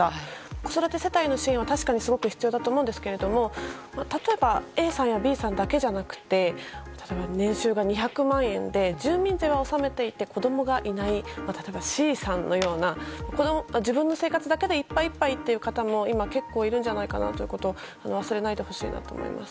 子育て世帯への支援は確かにすごく必要だと思うんですけれども、例えば、ＡさんやＢさんだけじゃなくて、例えば年収が２００万円で、住民税は納めていて、子どもがいない、例えばＣさんのような、自分の生活だけでいっぱいいっぱいっていう方も、今、結構いるんじゃないかなということを忘れないでほしいなと思います。